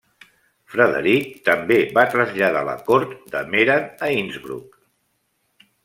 Frederic també va traslladar la cort de Meran a Innsbruck.